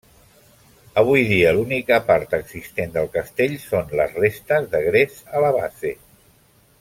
Avui dia l'única part existent del castell són les restes de gres a la base.